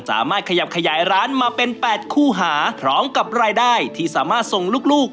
ขยับขยายร้านมาเป็น๘คู่หาพร้อมกับรายได้ที่สามารถส่งลูก